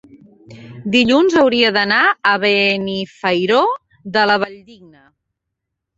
Dilluns hauria d'anar a Benifairó de la Valldigna.